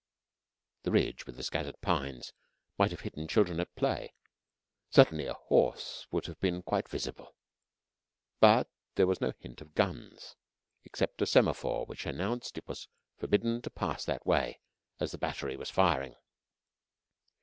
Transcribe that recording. ....... The ridge with the scattered pines might have hidden children at play. Certainly a horse would have been quite visible, but there was no hint of guns, except a semaphore which announced it was forbidden to pass that way, as the battery was firing.